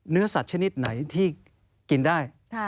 เนื้อสัตว์ชนิดไหนที่กินได้